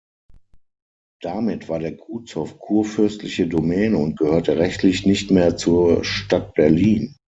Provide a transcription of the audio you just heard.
Damit war der Gutshof kurfürstliche Domäne und gehörte rechtlich nicht mehr zur Stadt Berlin.